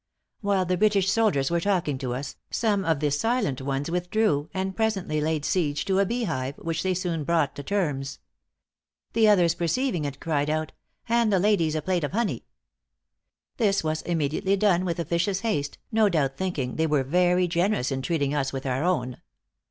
"While the British soldiers were talking to us, some of the silent ones withdrew, and presently laid siege to a beehive, which they soon brought to terms. The others perceiving it, cried out, 'Hand the ladies a plate of honey.' This was immediately done with officious haste, no doubt thinking they were very generous in treating us with our own.